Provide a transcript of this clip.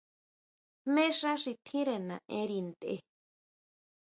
Jmé xá xi tjínre naʼenri ntʼe.